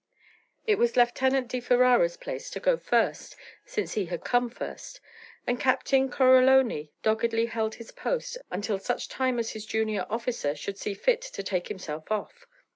It was Lieutenant di Ferara's place to go first since he had come first, and Captain Coroloni doggedly held his post until such time as his junior officer should see fit to take himself off.